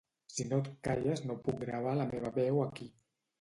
Si no et calles no puc gravar la meva veu aquí